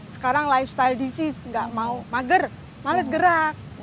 sekarang lifestyle disease nggak mau mager males gerak